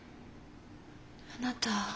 あなた。